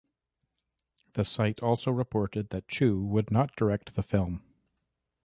The site also reported that Chu would not direct the film.